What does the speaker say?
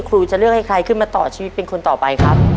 ครูจะเลือกให้ใครขึ้นมาต่อชีวิตเป็นคนต่อไปครับ